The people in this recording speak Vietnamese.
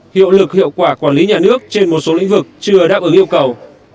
hiệu lực hiệu quả quản lý nhà nước trên một số lĩnh vực chưa đáp ứng yêu cầu